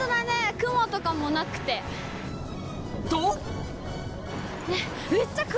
雲とかもなくて。と！